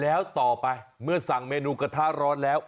แล้วต่อไปเมื่อสั่งเมนูกระทะร้อนแล้ว